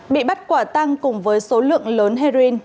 bị bắt quả tăng cùng với số lượng lớn heroin